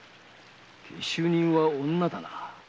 下手人は女だな。